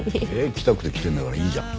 来たくて来てるんだからいいじゃん。